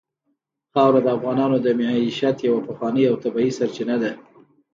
خاوره د افغانانو د معیشت یوه پخوانۍ او طبیعي سرچینه ده.